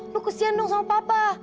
lu kesian dong sama papa